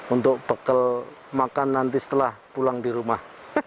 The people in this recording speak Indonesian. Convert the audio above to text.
untuk bekal makan nanti setelah pulang di rumah